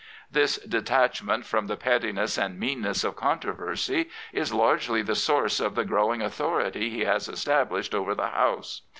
This detachment from the pettiness and meanness of controversy is largely the source of the growing authority he has established over the House.